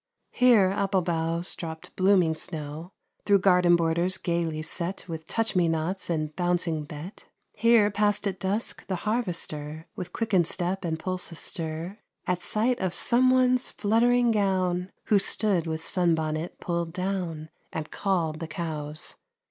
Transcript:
Here apple boughs dropped blooming snow, Through garden borders gaily set With touch me nots and bouncing Bet; Here passed at dusk the harvester With quickened step and pulse astir At sight of some one's fluttering gown, Who stood with sunbonnet pulled down And called the cows.